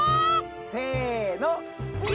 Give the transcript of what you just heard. せの。